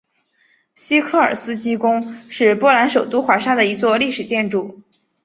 西科尔斯基宫是波兰首都华沙的一座历史建筑。